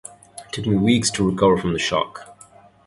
It took me weeks to recover from the shock.